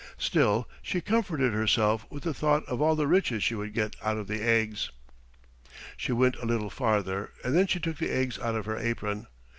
Still she comforted herself with the thought of all the riches she would get out of the eggs. She went a little farther, and then she took the eggs out of her apron.